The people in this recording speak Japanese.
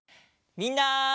みんな。